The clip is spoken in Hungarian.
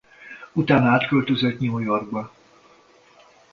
Utána átköltözött New Yorkba.